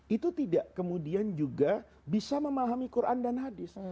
itu tidak kemudian juga bisa memahami quran dan hadis